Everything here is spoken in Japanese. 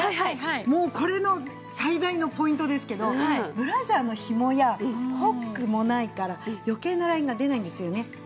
もうこれの最大のポイントですけどブラジャーのひもやホックもないから余計なラインが出ないんですよね。